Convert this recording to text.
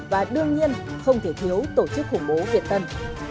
và đương nhiên không thể thiếu tổ chức khủng bố việt tân